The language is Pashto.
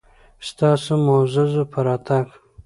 ستاسو معززو په راتګ